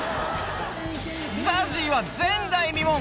ＺＡＺＹは前代未聞。